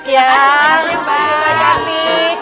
makasih ya mbak cantik